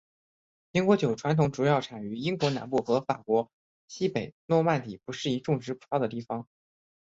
苹果酒传统主要产于英国南部和法国西北诺曼底不适宜种植葡萄的地方。